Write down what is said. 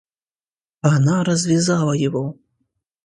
Она развязала его.